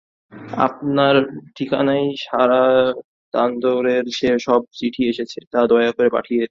আপনার ঠিকানায় সারদানন্দের যে সব চিঠি এসেছে, তা দয়া করে পাঠিয়ে দেবেন।